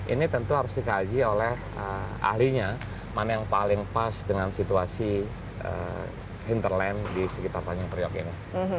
ini tentu harus dikaji oleh ahlinya mana yang paling pas dengan situasi hinterland di sekitar tanjung priok ini